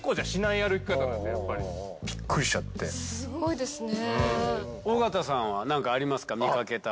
すごいですね。